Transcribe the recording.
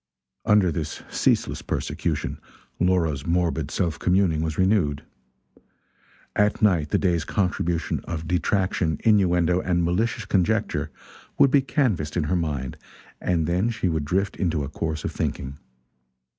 Under this ceaseless persecution, Laura's morbid self communing was renewed. At night the day's contribution of detraction, innuendo and malicious conjecture would be canvassed in her mind, and then she would drift into a course of thinking.